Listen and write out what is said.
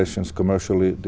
trong thức ăn